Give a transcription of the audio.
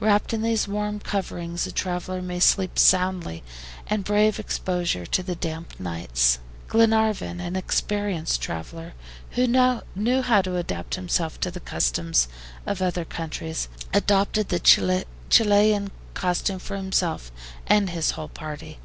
Wrapped in these warm coverings a traveler may sleep soundly, and brave exposure to the damp nights. Glenarvan, an experienced traveler, who knew how to adapt himself to the customs of other countries, adopted the Chilian costume for himself and his whole party.